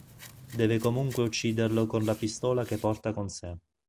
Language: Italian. Deve comunque ucciderlo con la pistola che porta con sé.